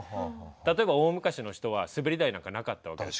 例えば大昔の人はすべり台なんかなかったわけです。